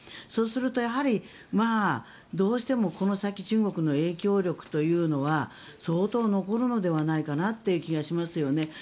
そうするとやはり、どうしてもこの先、中国の影響力というのは相当残るのではないかなっていう気がしますよね。